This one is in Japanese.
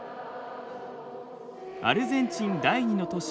アルゼンチン第２の都市